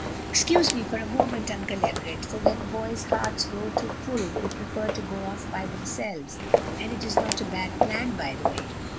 "Excuse me for a moment, Uncle Everett," for when boys' hearts grow too full, they prefer to go off by themselves, and it is not a bad plan, by the way.